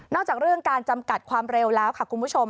จากเรื่องการจำกัดความเร็วแล้วค่ะคุณผู้ชม